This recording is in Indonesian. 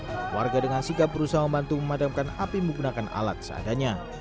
keluarga dengan sigap berusaha membantu memadamkan api menggunakan alat seadanya